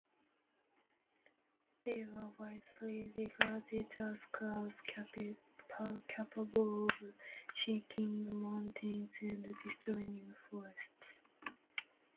They were widely regarded as clouds, capable of shaking mountains and destroying forests.